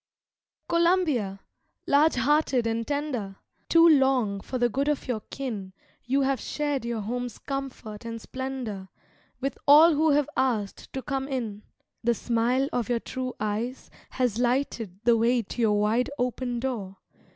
Columbia, large hearted and tender, Too long for the good of your kin You have shared your home's comfort and splendor With all who have asked to come in. The smile of your true eyes has lighted The way to your wide open door.